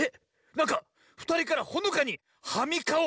なんかふたりからほのかに「はみかお」